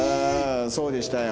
そうでしたよ。